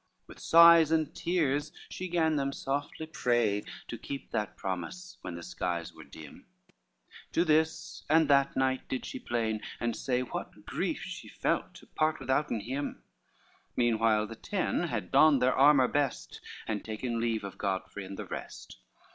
With sighs and tears she gan them softly pray To keep that promise, when the skies were dim, To this and that knight did she plain and say, What grief she felt to part withouten him: Meanwhile the ten had donned their armor best, And taken leave of Godfrey and the rest.